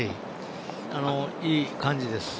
いい感じです。